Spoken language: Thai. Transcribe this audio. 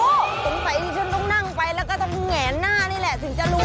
ตรงไฟที่ฉันต้องนั่งไปแล้วก็จะแหงหน้านี่แหละสิ่งจะรู้